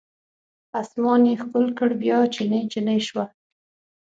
اسمان یې ښکل کړ بیا چینې، چینې شوه